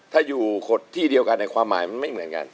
ถ้าอยู่ขดที่เดียวกันในความหมายมันไม่เหมือนกัน